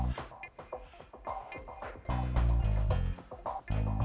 nanti kita jalan jalan dulu